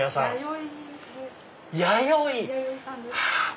はい。